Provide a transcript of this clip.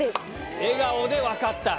笑顔で分かった。